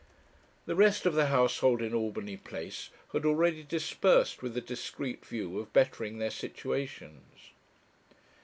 The rest of the household in Albany Place had already dispersed with the discreet view of bettering their situations.